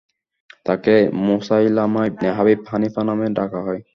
তাকে Musaylimah ibn Habib Hanafi নামে ডাকা হয়।